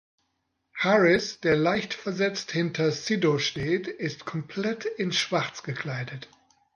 Harris, der leicht versetzt hinter Sido steht, ist komplett in schwarz gekleidet.